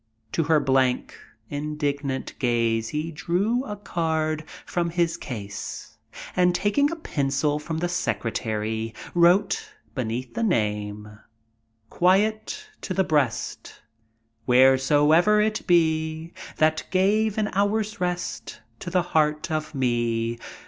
To her blank, indignant gaze he drew a card from his case, and, taking a pencil from the secretary, wrote, beneath the name: Quiet to the breast Wheresoe'er it be, That gave an hour's rest To the heart of me.